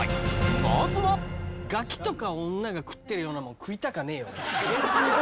まずはガキとか女が食ってるようなもん食いたかねえよ